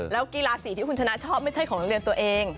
แล้วกีฬาสีที่คุณชนะชอบไม่ใช่ของโรงเรียนตัวเอง